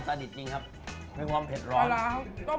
แล้วก็มีความนัวของปลาร้ามากครับท่านผู้โชค